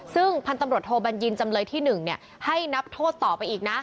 ซึ่งพันธมรตโทบัญญินจำเลยที่หนึ่งเนี่ยให้นับโทษต่อไปอีกนะ